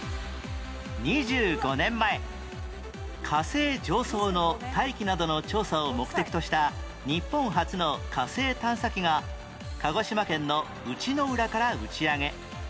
２５年前火星上層の大気などの調査を目的とした日本初の火星探査機が鹿児島県の内之浦から打ち上げ